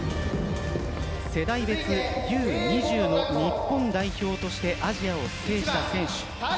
世代別Ｕ‐２０の日本代表としてアジアを制した選手。